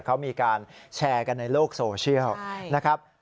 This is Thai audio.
เขามีการแชร์กันในโลกโซเชียลนะครับ